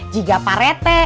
jika pak rete